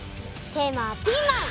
テーマは「ピーマン」！